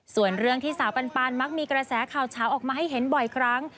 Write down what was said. ส่วนเรื่องที่สาวปันมักมีกระแสข่าวเช้าออกมาให้เห็นบ่อยครั้ง